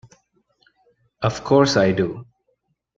Of course I do!